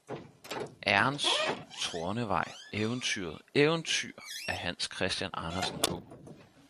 Ærens tornevej eventyret eventyr af hans christian andersen h